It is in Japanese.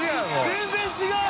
全然違う！